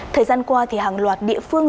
thời gian qua thì hàng loạt địa phương